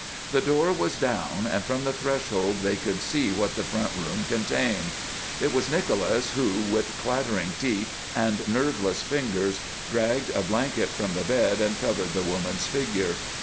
The door was down, and from the threshold they could see what the front room contained. It was Nicholas who, with clattering teeth and nerveless fingers, dragged a blanket from the bed and covered the woman's figure.